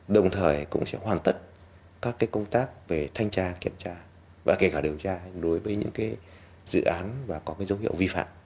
đồng thời cũng sẽ hoàn tất các công tác về thanh tra kiểm tra và kể cả điều tra đối với những dự án và có dấu hiệu vi phạm